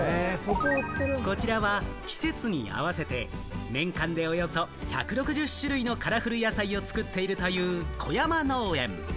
こちらは季節に合わせて年間でおよそ１６０種類のカラフル野菜を作っているという小山農園。